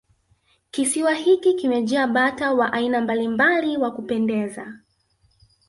kisiwa hiki kimejaa bata wa aina mbalimbali wa kupendeza